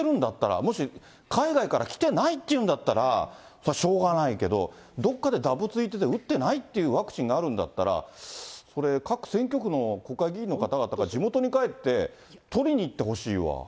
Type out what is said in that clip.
もし、海外から来てないっていうんだったら、それはしょうがないけど、どこかでだぼついてて打ってないっていうワクチンがあるんだったら、それ、各選挙区の国会議員の方々が地元に帰って、取りに行ってほしいわ。